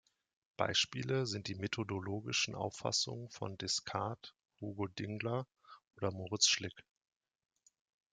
Beispiele sind die methodologischen Auffassungen von Descartes, Hugo Dingler oder Moritz Schlick.